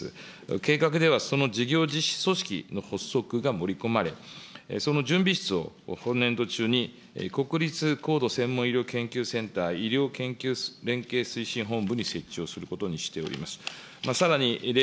計画ではその事業実施組織の発足が盛り込まれ、その準備室を本年度中に国立高度専門センター医療研究連携推進本部に設置をすることにしております。